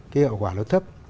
cái hậu quả nó thấp